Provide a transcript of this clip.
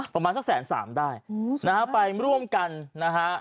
ประมาณสักแสนสามได้นะฮะไปร่วมกันนะฮะ